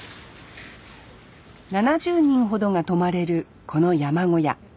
７０人ほどが泊まれるこの山小屋。